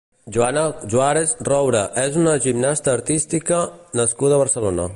Joana Juárez Roura és una gimnasta artística nascuda a Barcelona.